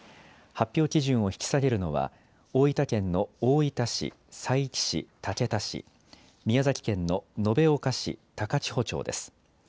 発表基準を引き下げるのは、大分県の大分市、佐伯市、竹田市、宮崎県の延岡市、高千穂町です。